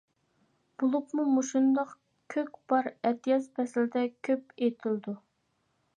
بولۇپمۇ مۇشۇنداق كۆك بار ئەتىياز پەسلىدە كۆپ ئېتىلىدۇ.